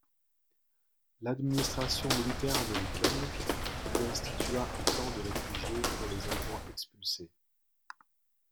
L'administration militaire américaine y institua un camp de réfugiés pour les Allemands expulsés.